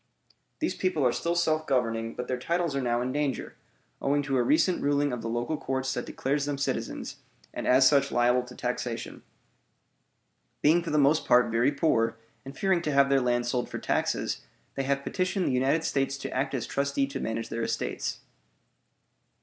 These people are still self governing, but their titles are now in danger, owing to a recent ruling of the local courts that declares them citizens, and as such liable to taxation. Being for the most part very poor and fearing to have their land sold for taxes, they have petitioned the United States to act as trustee to manage their estates.